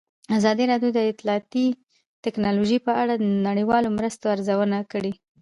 ازادي راډیو د اطلاعاتی تکنالوژي په اړه د نړیوالو مرستو ارزونه کړې.